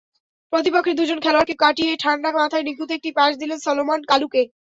প্রতিপক্ষের দুজন খেলোয়াড়কে কাটিয়ে ঠান্ডা মাথায় নিখুঁত একটি পাস দিলেন সলোমন কালুকে।